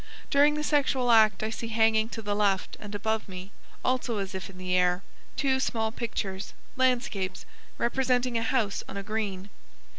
During the sexual act I see hanging to the left and above me (also as if in the air) two small pictures, landscapes, representing a house on a green.